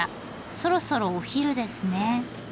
そろそろお昼ですね。